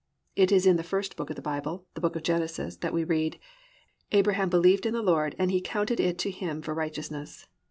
It is in the first book of the Bible, the book of Genesis, that we read, +"Abraham believed in the Lord; and he counted it to him for righteousness."